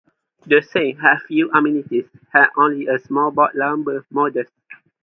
The same had few amenities: had only a small box lumber modest.